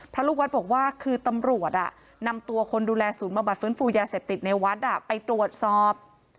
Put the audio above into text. พระลุกวัดบอกว่าคือทำรวจนำตัวคนดูแลศูนย์มาบัตรฟื้นฟูแยศพติดในวัดไปรวดซ้อม